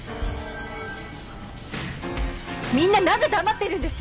みんななぜ黙ってるんです！